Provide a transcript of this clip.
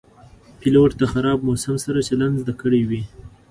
پیلوټ د خراب موسم سره چلند زده کړی وي.